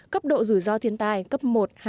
cấp độ rủi ro thiên tai cấp một hai